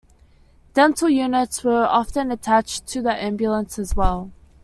Dental units were often attached to the ambulance as well.